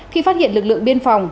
khi phát hiện lực lượng biên phòng